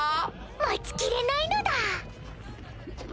待ちきれないのだ！